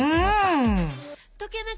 うん。